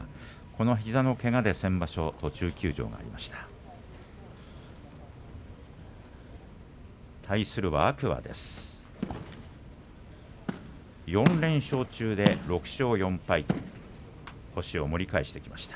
膝のけがで先場所途中休場しました。